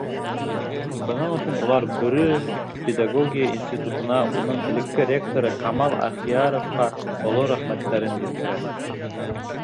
Бының өсөн улар Бөрө педагогия институтына, уның элекке ректоры Камал Әхиәровҡа оло рәхмәттәрен еткерә.